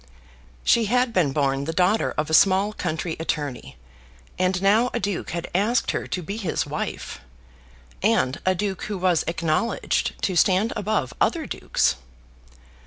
She had been born the daughter of a small country attorney, and now a duke had asked her to be his wife, and a duke who was acknowledged to stand above other dukes!